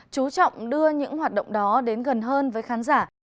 chú trọng đưa những hoạt động đó đến gần hơn với khán giả